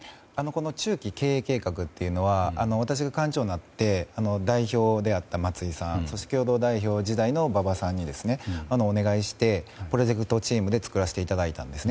中期経営計画というのは私が幹事長になって代表であった松井さんそして共同代表時代の馬場さんにお願いして、これでチームで作らせていただいたんですね。